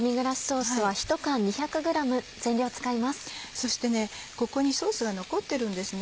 そしてここにソースが残ってるんですね。